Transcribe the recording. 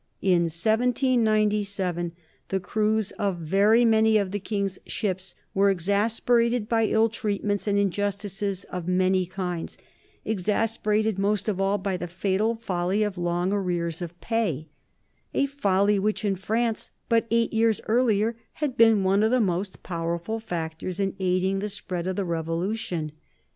In 1797 the crews of very many of the King's ships were exasperated by ill treatments and injustices of many kinds, exasperated most of all by the fatal folly of long arrears of pay a folly which in France, but eight years earlier, had been one of the most powerful factors in aiding the spread of the Revolution.